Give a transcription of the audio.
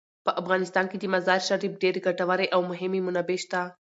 په افغانستان کې د مزارشریف ډیرې ګټورې او مهمې منابع شته.